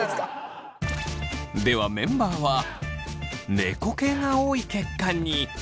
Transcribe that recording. ではメンバーは猫系が多い結果に！